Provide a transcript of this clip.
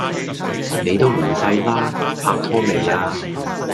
你都唔細啦！拍拖未呀